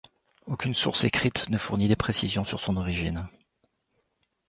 Aucune source écrite ne fournit des précisions sur son origine.